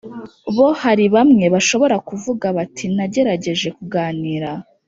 Bo hari bamwe bashobora kuvuga bati nagerageje kuganira